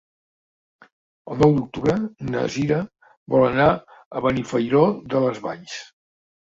El nou d'octubre na Cira vol anar a Benifairó de les Valls.